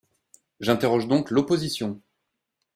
J’interroge donc l’opposition.